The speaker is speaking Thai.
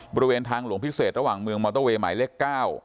บริเวณทางหลวงพิเศษระหว่างเมืองมอเตอร์เวย์หมายเลข๙